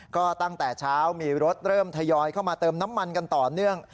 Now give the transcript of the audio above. ก็ตั้งแต่เช้ามีรถเริ่มทยอยเข้ามาเติมน้ำมันกันต่อเนื่อง